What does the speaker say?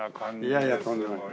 いやいやとんでもない。